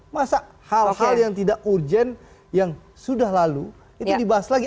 masa hal hal yang tidak urgent yang sudah lalu itu dibahas lagi